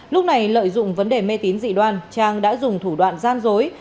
lúc này lợi dụng vấn đề mê tín dị đoan trang đã dùng thủ đoạn gian dối